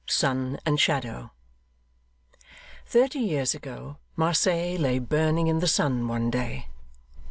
Sun and Shadow Thirty years ago, Marseilles lay burning in the sun, one day.